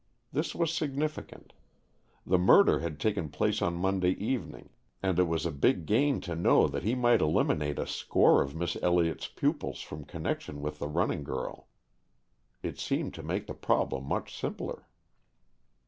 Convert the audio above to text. This was significant. The murder had taken place on Monday evening, and it was a big gain to know that he might eliminate a score of Miss Elliott's pupils from connection with the running girl. It seemed to make the problem much simpler.